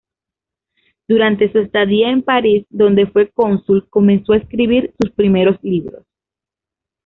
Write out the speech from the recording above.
Durante su estadía en París, donde fue cónsul, comenzó a escribir sus primeros libros.